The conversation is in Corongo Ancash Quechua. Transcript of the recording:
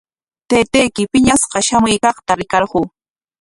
Taytayki piñashqa shamuykaqta rikarquu.